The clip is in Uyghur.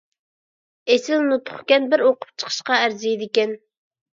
ئېسىل نۇتۇقكەن، بىر ئوقۇپ چىقىشقا ئەرزىيدىكەن.